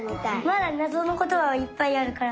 まだなぞのことがいっぱいあるから。